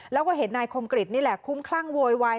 แล้วก็เห็นนายคมกริจนี่แหละคุ้มคลั่งโวยวาย